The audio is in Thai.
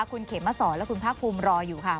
คุณเขมสอนและคุณภาคภูมิรออยู่ค่ะ